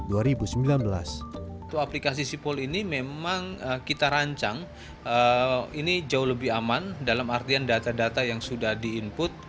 untuk aplikasi sipol ini memang kita rancang ini jauh lebih aman dalam artian data data yang sudah di input